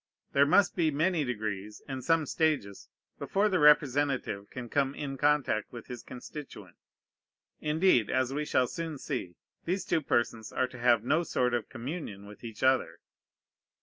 There must be many degrees, and some stages, before the representative can come in contact with his constituent. Indeed, as we shall soon see, these two persons are to have no sort of communion with each other.